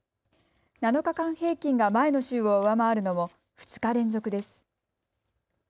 ７日間平均が前の週を上回るのも２日連続です。